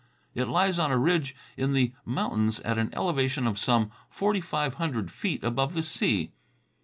It lies on a ridge in the mountains at an elevation of some forty five hundred feet above the sea.